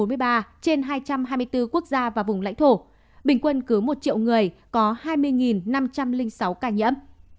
trên hai trăm hai mươi bốn quốc gia và vùng lãnh thổ bình quân cứ một triệu người có hai mươi năm trăm linh sáu ca nhiễm